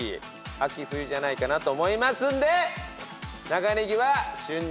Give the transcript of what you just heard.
秋・冬じゃないかなと思いますんで長ネギは。